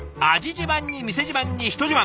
自慢に店自慢に人自慢。